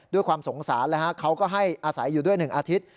ด้วยความสงสารเขาก็ให้อาศัยอยู่ด้วย๑อาทิตย์